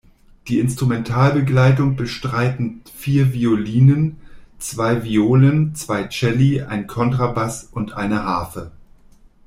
Die Instrumentalbegleitung bestreiten vier Violinen, zwei Violen, zwei Celli, ein Kontrabass und eine Harfe.